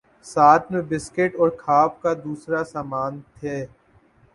ساتھ میں بسکٹ اور کھا پ کا دوسرا سامان تھے